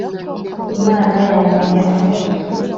imana yamenya umwe gusa